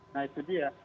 nah itu dia